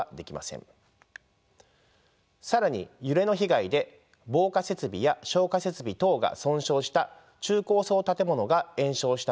更に揺れの被害で防火設備や消火設備等が損傷した中高層建物が延焼した場合のリスク